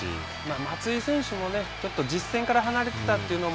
松井選手もちょっと実戦から離れていたというのも